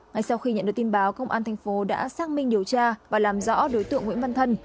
ngay sau khi nhận được tin báo công an thành phố đã xác minh điều tra và làm rõ đối tượng nguyễn văn thân